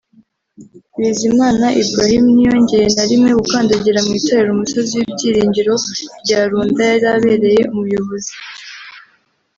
Bizimana Ibrahim ntiyongeye na rimwe gukandagira mu itorero Umusozi w’Ibyiringiro rya Runda yari abereye umuyobozi